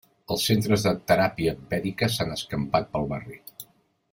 Els centres de teràpia vèdica s'han escampat pel barri.